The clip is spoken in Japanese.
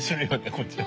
こっちは。